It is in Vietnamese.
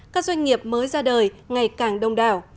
các doanh nghiệp mới ra đời ngày càng đông đảo